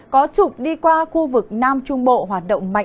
có trục đi qua khu vực nam trung bộ hoạt động mạnh